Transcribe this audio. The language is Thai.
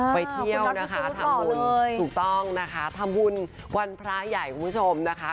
ไปเที่ยวนะคะทำบุญถูกต้องนะคะทำบุญวันพระใหญ่คุณผู้ชมนะคะ